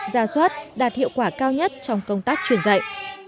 gia xuất đạt hiệu quả cao nhất trong công tác truyền dạy